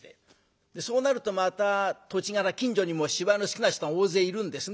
そうなるとまた土地柄近所にも芝居の好きな人が大勢いるんですね。